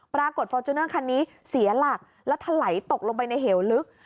ฟอร์จูเนอร์คันนี้เสียหลักแล้วถลายตกลงไปในเหวลึก